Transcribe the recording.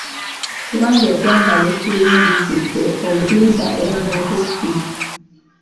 Kubanga eggwanga lye tulimu lijjudde obulimba era n'obubbi.